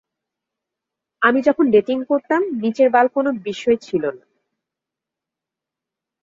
আমি যখন ডেটিং করতাম নিচের বাল কোনো বিষয়ই ছিলো না।